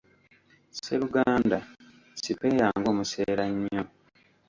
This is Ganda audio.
Sseruganda, sipeeya ng'omuseera nnyo.